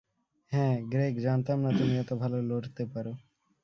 হ্যাঁ, গ্রেগ, জানতাম না তুমি এত ভালো লড়তে পারো।